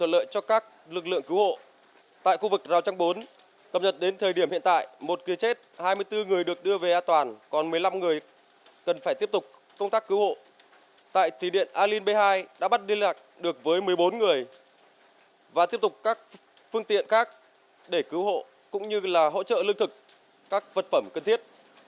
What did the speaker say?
lương đạt được với một mươi bốn người và tiếp tục các phương tiện khác để cứu hộ cũng như là hỗ trợ lương thực các vật phẩm cần thiết